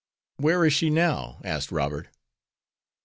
"Where is she now?" asked Robert.